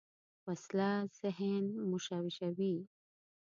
وسله ذهن مشوشوي